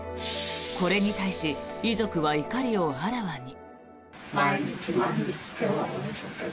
これに対し遺族は怒りをあらわに。